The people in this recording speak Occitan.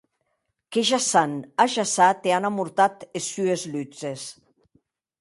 Que ja s’an ajaçat e an amortat es sues lutzes.